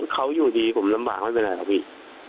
เขาอยู่ดีผมลำบากไม่เป็นไรครับพี่